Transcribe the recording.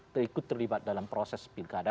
terikut terlibat dalam proses pilkada